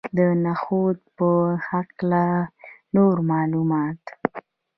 د نخودو په هکله نور معلومات.